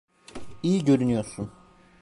İyi görünüyorsun.